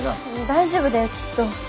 大丈夫だよきっと。